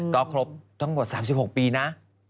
ก็ครบทั้งหมด๓๖ปีนะ